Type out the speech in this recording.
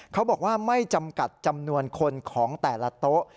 เขาบอกว่าไม่จำกัดจำนวนคนของแต่ละโต๊ะ